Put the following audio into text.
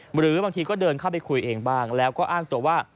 หรือบางทีก็เดินเข้าไปคุยเองบ้างแล้วก็อ้างตัวว่า